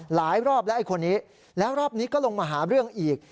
หลายรอบแล้วไอ้คนนี้แล้วรอบนี้ก็ลงมาหาเรื่องอีก